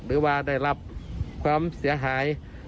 หรือว่าได้รับความเสียหาย